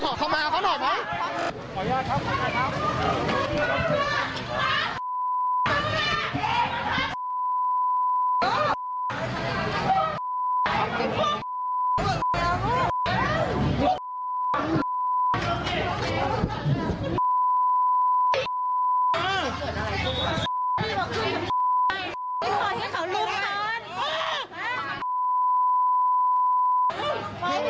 น้องชายคนตายอ่ะพวกมันพาออกมาหมดเลย